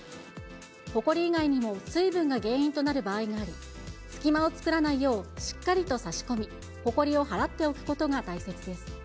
ほこり以外にも水分が原因となる場合があり、隙間を作らないよう、しっかりと差し込み、ほこりをはらっておくことが大切です。